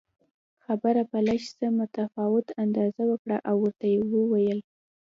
خبره په لږ څه متفاوت انداز وکړه او ورته ویې ویل